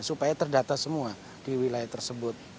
supaya terdata semua di wilayah tersebut